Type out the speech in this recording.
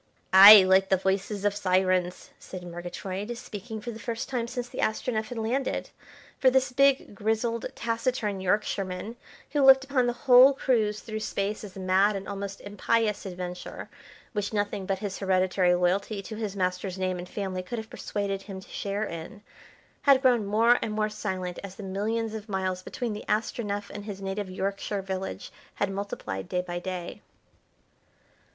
"Ay, like the voices of syrens," said Murgatroyd, speaking for the first time since the Astronef had landed; for this big, grizzled, taciturn Yorkshireman, who looked upon the whole cruise through Space as a mad and almost impious adventure, which nothing but his hereditary loyalty to his master's name and family could have persuaded him to share in, had grown more and more silent as the millions of miles between the Astronef and his native Yorkshire village had multiplied day by day.